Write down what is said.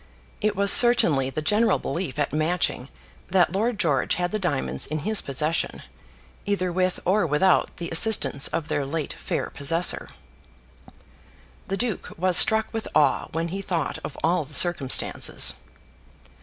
It was certainly the general belief at Matching that Lord George had the diamonds in his possession, either with or without the assistance of their late fair possessor. The duke was struck with awe when he thought of all the circumstances.